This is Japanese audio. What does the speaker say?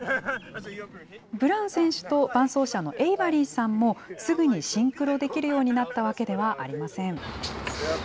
ブラウン選手と伴走者のエイバリーさんも、すぐにシンクロできるようになったわけではありません。